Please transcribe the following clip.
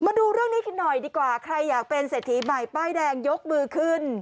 มาดูเรื่องนี้กันหน่อยดีกว่าใครอยากเป็นเศรษฐีใหม่ป้ายแดงยกมือขึ้น